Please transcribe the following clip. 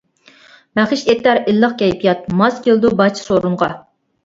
بەخش ئېتەر ئىللىق كەيپىيات، ماس كېلىدۇ بارچە سورۇنغا.